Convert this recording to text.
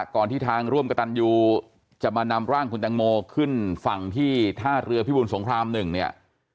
ก่อนที่ทางร่วมกับตันนวูติกจะมานำร่างคุณแตงโมคึ่นฝั่งที่ท่าเรือพิบุญสงครามหนึ่งเนี่ย